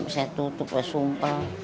saya tutup sumpah